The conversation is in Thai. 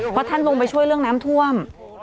เพราะท่านลงไปช่วยเรื่องน้ำท่วม